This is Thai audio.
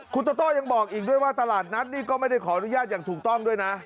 คุณโตโต้ยังบอกอีกด้วยว่าตลาดนัดนี่ก็ไม่ได้ขออนุญาตอย่างถูกต้องด้วยนะ